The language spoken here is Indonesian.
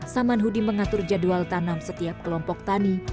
saman hudi mengatur jadwal tanam setiap kelompok tani